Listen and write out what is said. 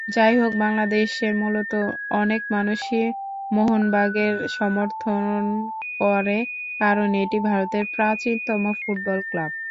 যাইহোক, বাংলাদেশে মূলত অনেক মানুষই মোহনবাগানের সমর্থন করে, কারণ এটি ভারতের প্রাচীনতম ফুটবল ক্লাব।